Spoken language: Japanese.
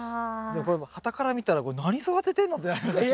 これはたから見たら何育ててんのってなりますよね。